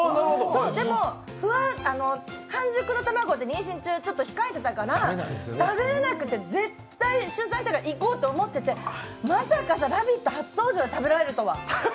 でも、半熟の卵って妊娠中はちょっと控えてたから、食べれなくて絶対出産したら行こうと思ってて、まさか「ラヴィット！」初登場で食べられるとは。